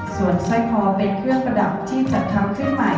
ส่วนสร้อยคอเป็นเครื่องประดับที่จัดทำขึ้นใหม่